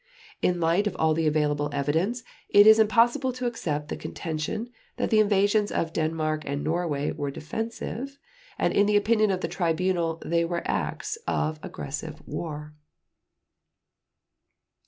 In the light of all the available evidence it is impossible to accept the contention that the invasions of Denmark and Norway were defensive, and in the opinion of the Tribunal they were acts of aggressive war.